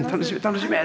楽しめ！